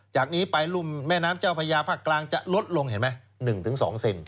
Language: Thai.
จากนี้ไปรุ่มแม่น้ำเจ้าพญาภาคกลางจะลดลงเห็นไหม๑๒เซน